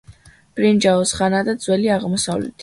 ბრინჯაოს ხანა და ძველი აღმოსავლეთი